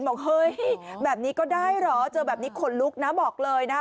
บอกเฮ้ยแบบนี้ก็ได้เหรอเจอแบบนี้ขนลุกนะบอกเลยนะคะ